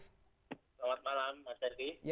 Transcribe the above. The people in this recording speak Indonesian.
selamat malam mas ferdi